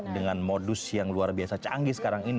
dengan modus yang luar biasa canggih sekarang ini